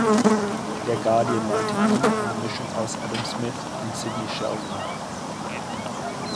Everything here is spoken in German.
Der Guardian nannte ihn eine Mischung aus Adam Smith und Sidney Sheldon.